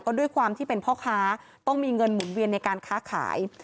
ก็ด้วยความที่เป็นพ่อค้าต้องมีเงินหมุนเวียนในการค้าขาย